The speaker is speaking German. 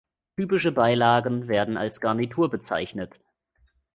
Typische Beilagen werden als Garnitur bezeichnet.